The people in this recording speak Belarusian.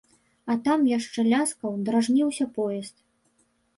А там яшчэ ляскаў, дражніўся поезд.